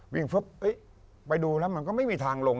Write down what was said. ไปดูแล้วมันก็ไม่มีทางลง